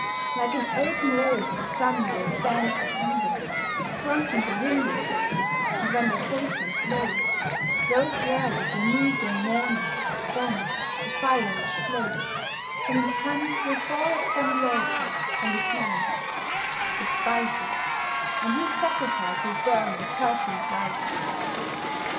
Like an open rose the sun will stand up even, Fronting the window sill, and when the casement glows Rose red with the new blown morning, then the fire which flows From the sun will fall upon the altar and ignite The spices, and his sacrifice will burn in perfumed light.